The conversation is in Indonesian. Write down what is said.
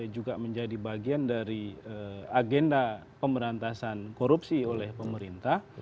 juga menjadi bagian dari agenda pemberantasan korupsi oleh pemerintah